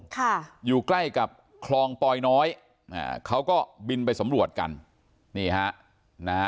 ค่ะอยู่ใกล้กับคลองปอยน้อยอ่าเขาก็บินไปสำรวจกันนี่ฮะนะฮะ